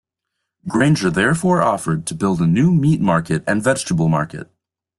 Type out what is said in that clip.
Grainger therefore offered to build a new meat market and vegetable market.